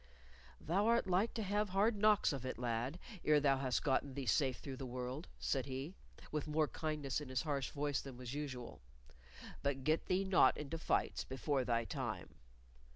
"Thou art like to have hard knocks of it, lad, ere thou hast gotten thee safe through the world," said he, with more kindness in his harsh voice than was usual. "But get thee not into fights before thy time."